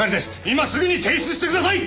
今すぐに提出してください！